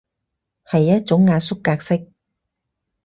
係一種壓縮格式